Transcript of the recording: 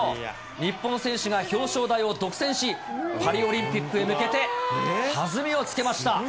日本選手が表彰台を独占し、パリオリンピックへ向けて弾みをつけました。